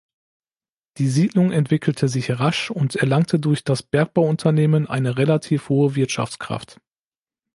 Die Siedlung entwickelte sich rasch und erlangte durch das Bergbauunternehmen eine relativ hohe Wirtschaftskraft.